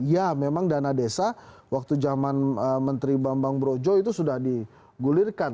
ya memang dana desa waktu zaman menteri bambang brojo itu sudah digulirkan